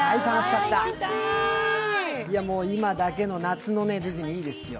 今だけの夏のディズニー、いいですよ。